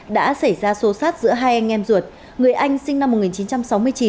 đã xảy ra xô xát giữa hai anh em ruột người anh sinh năm một nghìn chín trăm sáu mươi chín